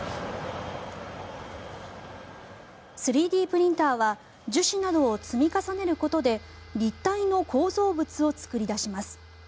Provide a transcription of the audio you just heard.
３Ｄプリンターは樹脂などを積み重ねることで立体の構造物を作り出します。